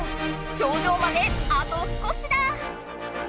頂上まであと少しだ！